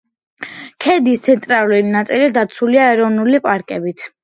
ქედის ცენტრალური ნაწილი დაცულია ეროვნული პარკებით.